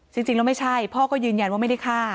จริงแล้วไม่ใช่พ่อก็ยืนยันว่าไม่ได้ฆ่า